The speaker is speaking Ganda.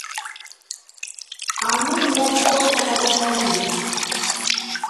Amin yaggyawo ettaka lya Mailo.